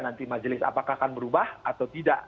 nanti majelis apakah akan berubah atau tidak